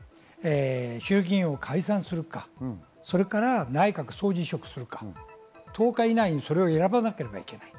衆議院を解散するか、内閣総辞職するか、１０日以内にそれを選ばなければいけない。